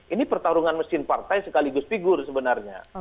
ini pertarungan mesin partai sekaligus figur sebenarnya